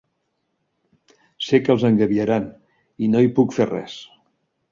Sé que els engabiaran i no hi puc fer res.